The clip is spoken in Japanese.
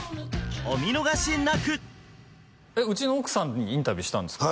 お見逃しなくえっうちの奥さんにインタビューしたんですか？